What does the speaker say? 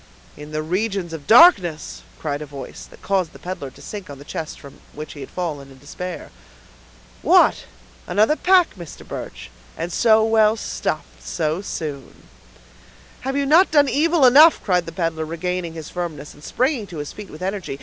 "In the regions of darkness!" cried a voice that caused the peddler to sink on the chest from which he had risen, in despair. "What! another pack, Mr. Birch, and so well stuffed so soon!" "Have you not done evil enough?" cried the peddler, regaining his firmness, and springing on his feet with energy.